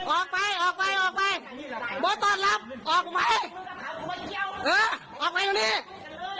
ออกไปออกไปออกไปโบ๊ตตอบรับออกไหมเออออกไปตรงนี้